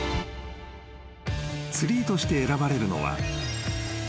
［ツリーとして選ばれるのは］